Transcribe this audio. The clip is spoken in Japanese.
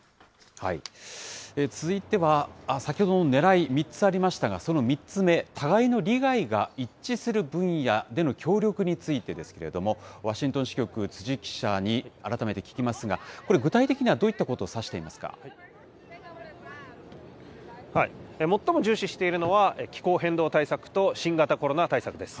続いては、先ほどのねらい、３つありましたけれども、その３つ目、互いの利害が一致する分野での協力についてですけれども、ワシントン支局、辻記者に改めて聞きますが、これ、具体的にはど最も重視しているのは、気候変動対策と新型コロナ対策です。